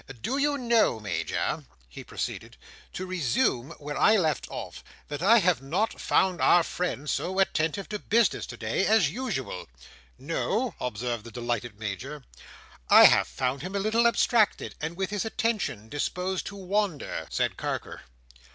"Do you know, Major," he proceeded: "to resume where I left off: that I have not found our friend so attentive to business today, as usual?" "No?" observed the delighted Major. "I have found him a little abstracted, and with his attention disposed to wander," said Carker.